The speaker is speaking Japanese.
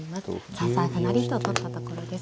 ３三歩成と取ったところです。